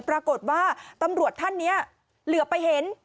ปรากฏว่าตำรวจท่านนี้เหลือไปเห็น